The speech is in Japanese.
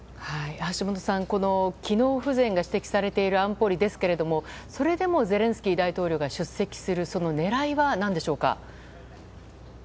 橋本さん、機能不全が指摘されている安保理ですがそれでもゼレンスキー大統領が出席するその狙いは何でしょうか。